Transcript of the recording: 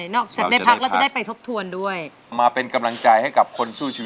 น้องปอนด์ร้องได้ให้ร้อง